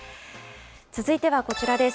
続いてはこちらです。